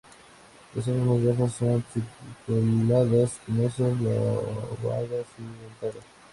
Las hojas más bajas son pecioladas, espinosas, lobadas y dentadas.